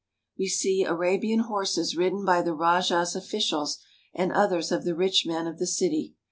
We see Arabian horses ridden by the rajah's officials and others of the rich men of the city.